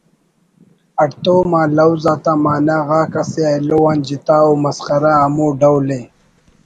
ہڑتوم آ لوز آتا معنہ غاک اسہ ایلو آن جتا ءُ مسخرہ ہمو ڈول ءِ